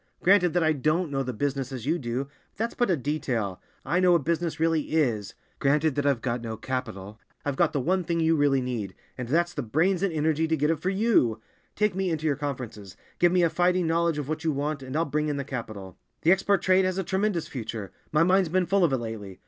Granted that I don't know the business as you do—that's but a detail; I know what business really is. Granted that I've got no capital—I've got the one thing you really need, and that's the brains and energy to get it for you. Take me into your conferences, give me a fighting knowledge of what you want, and I'll bring in the capital. "The export trade has a tremendous future; my mind's been full of it lately.